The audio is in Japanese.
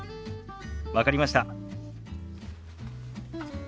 分かりました。